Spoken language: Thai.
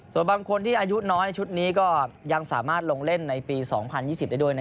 ส่วนบางคนที่อายุน้อยชุดนี้ก็ยังสามารถลงเล่นในปี๒๐๒๐ได้ด้วย